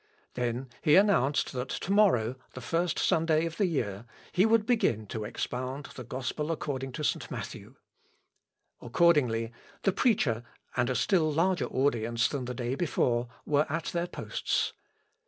Then he announced that to morrow, the first Sunday of the year, he would begin to expound the gospel according to St. Matthew. Accordingly, the preacher, and a still larger audience than the day before, were at their posts.